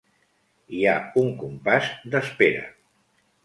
Hi ha un compàs d’espera.